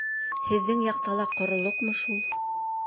— Һеҙҙең яҡта ла ҡоролоҡмо шул?